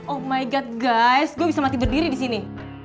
oh my god guys gue bisa mati berdiri di sini